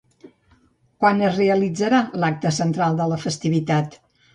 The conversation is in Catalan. Quan es realitzarà l'acte central de la festivitat?